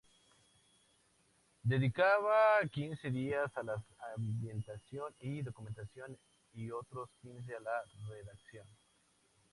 Dedicaba quince días a la ambientación y documentación y otros quince a la redacción.